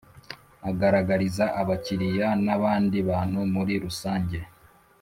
agaragariza Abakiriya n abandi bantu muri rusanjye